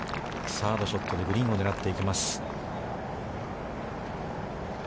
サードショットでグリーンを狙っていきます。